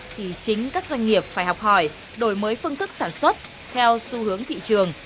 thì chính các doanh nghiệp phải học hỏi đổi mới phương thức sản xuất theo xu hướng thị trường